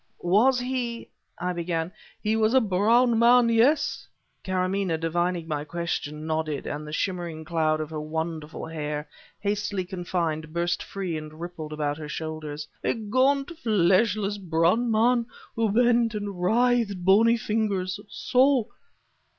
"Was he ?" I began... "He was a brown man, yes," Karamaneh divining my question, nodded, and the shimmering cloud of her wonderful hair, hastily confined, burst free and rippled about her shoulders. "A gaunt, fleshless brown man, who bent, and writhed bony fingers so!"